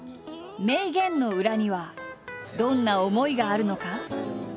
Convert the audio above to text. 名言の裏にはどんな思いがあるのか？